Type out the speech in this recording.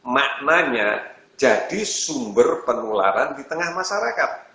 maknanya jadi sumber penularan di tengah masyarakat